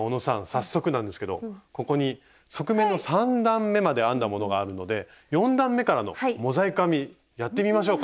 早速なんですけどここに側面の３段めまで編んだものがあるので４段めからのモザイク編みやってみましょうか？